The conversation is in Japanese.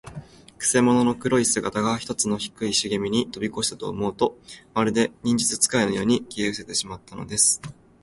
くせ者の黒い姿が、ひとつの低いしげみをとびこしたかと思うと、まるで、忍術使いのように、消えうせてしまったのです。